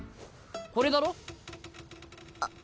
これだろ？あう！